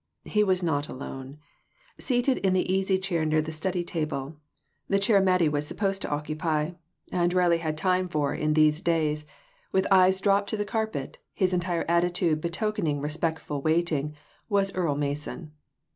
He was not alone. Seated in the easy chair near the study table, the chair Mattie was sup posed to occupy, and rarely had time for in these PRECIPITATION. 343 days, with eyes dropped to the carpet, his entire attitude betokening respectful waiting, was Earle Mason.